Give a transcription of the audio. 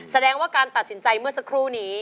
แสดงว่าการตัดสินใจเมื่อสักครู่นี้